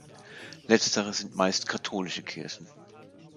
Letztere sind meist katholische Kirchen.